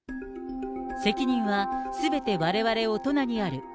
責任はすべてわれわれ大人にある。